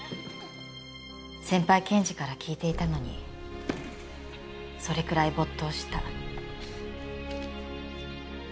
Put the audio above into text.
先輩検事から聞いていたのにそれくらい没頭した。